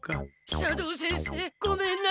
斜堂先生ごめんなさい。